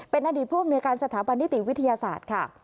เป็นอดีตผู้อำนวยการสถาบันนิติวิทยาศาสตร์ค่ะ